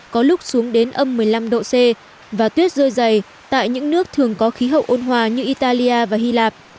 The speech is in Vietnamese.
có lúc xuống đến âm một mươi năm độ c và tuyết rơi dày tại những nước thường có khí hậu ôn hòa như italia và hy lạp